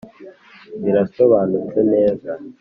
birasobanutse neza